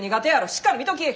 しっかり見とき！